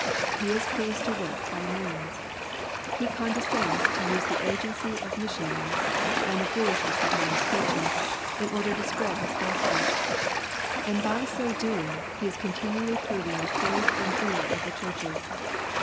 He is pleased to work by means. He condescends to use the agency of mission aries, ani the foolishness of man's preaching, in order to spread His Gospel. And by so doing, He is continually proving the faith and zeal of the churches.